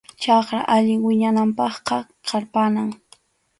Chakra allin wiñananpaqqa qarpanam.